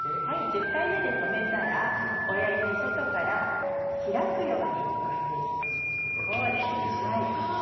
１０回目で止めたら親指を外から開くように巻いていきましょう。